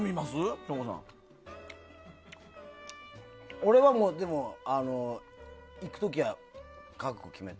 俺はでも、いく時は覚悟を決めて。